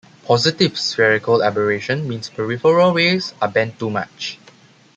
"Positive" spherical aberration means peripheral rays are bent too much.